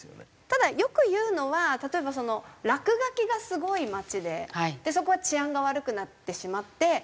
ただよく言うのは例えばその落書きがすごい街でそこは治安が悪くなってしまって。